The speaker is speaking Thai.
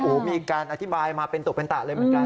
โอ้โหมีการอธิบายมาเป็นตัวเป็นตะเลยเหมือนกัน